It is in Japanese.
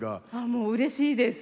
もううれしいです！